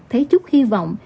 thấy chút hy vọng